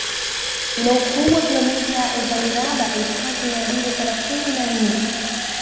Ina ukubwa wa kilomita za mraba Elfu tatu mia mbili themanini na nne